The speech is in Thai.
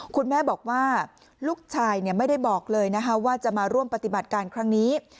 คุณแม่บอกว่าลูกชายไม่ได้บอกเลยนะคะว่าจะมาร่วมปฏิบัติการครั้งนี้